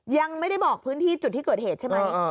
ยังไม่ได้บอกพื้นที่จุดที่เกิดเหตุใช่ไหม